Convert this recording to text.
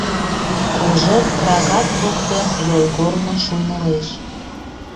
Кожер крагат воктен йолгорно шуйнылеш.